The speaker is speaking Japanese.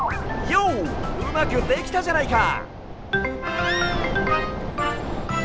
ヨうまくできたじゃないか！